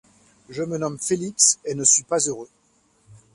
Je me nomme Félix et ne suis pas heureux.